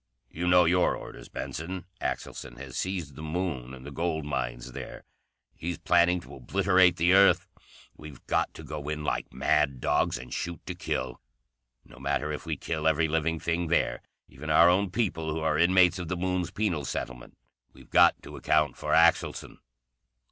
"You know your orders, Benson? Axelson has seized the Moon and the gold mines there. He's planning to obliterate the Earth. We've got to go in like mad dogs and shoot to kill. No matter if we kill every living thing there, even our own people who are inmates of the Moon's penal settlement, we've got to account for Axelson."